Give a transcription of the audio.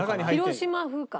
広島風か。